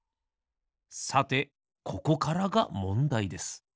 さてここからがもんだいです。